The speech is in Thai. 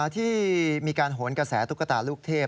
ที่มีการโหนกระแสตุ๊กตาลูกเทพ